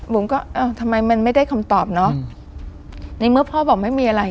ผมก็เออทำไมมันไม่ได้คำตอบเนอะในเมื่อพ่อบอกไม่มีอะไร